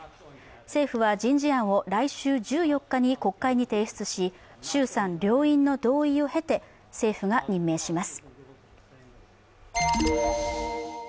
政府は人事案を来週１４日に国会に提出し、衆参両院の同意を経て政府が任命します。